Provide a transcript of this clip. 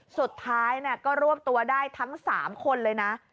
สุดท้ายก็รวบตัวได้ทั้ง๓คนเลยนะ